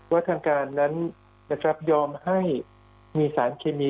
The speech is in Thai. ว่าทางการนั้นยอมให้มีสารเคมี